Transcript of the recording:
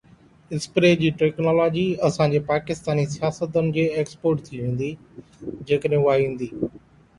spray جي technology اسان جي پاڪستاني سياستدانن جي ايڪسپورٽ ٿي ويندي جيڪڏهن اها ايندي